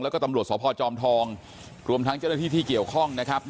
แล้วก็ตำรวจสพจอมทองรวมทั้งเจ้าหน้าที่ที่เกี่ยวข้องนะครับ